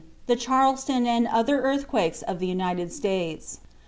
The Charleston and Other Earthquakes of the United States.